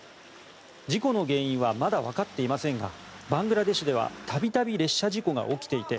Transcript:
事故の原因はまだわかっていませんがバングラデシュでは度々列車事故が起きていて